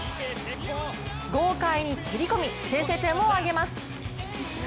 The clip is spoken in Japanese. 豪快に切り込み先制点を挙げます。